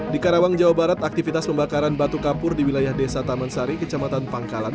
di karawang jawa barat aktivitas pembakaran batu kapur di wilayah desa taman sari kecamatan pangkalan